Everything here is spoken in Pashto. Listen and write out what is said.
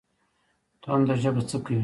تنده ژبه څه کوي؟